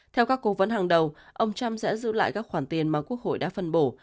theo các cố vấn hàng đầu ông trump sẽ giữ lại các khoản tiền mà quốc hội đã phân bổ